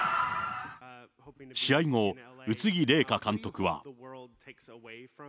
試合後、宇津木麗華監督は。